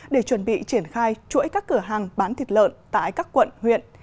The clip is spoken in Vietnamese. để chuẩn bị triển khai chuỗi các cửa hàng bán thịt lợn tại các quận huyện